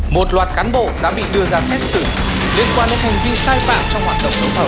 một loạt cán bộ đã bị đưa ra xét xử liên quan đến hành vi sai phạm trong hoạt động đấu thầu